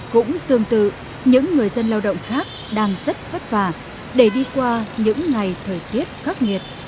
cũng tương tự những người dân lao động khác đang rất vất vả để đi qua những ngày thời tiết khắc nghiệt